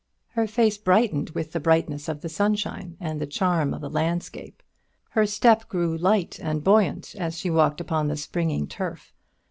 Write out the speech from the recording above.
Her face brightened with the brightness of the sunshine and the charm of the landscape; her step grew light and buoyant as she walked upon the springing turf.